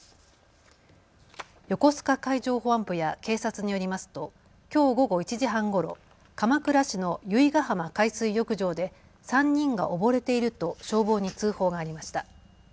横須賀海上保安部や警察によりますときょう午後１時半ごろ、鎌倉市の由比ガ浜海水浴場で３人が溺れていると消防に通報がありました。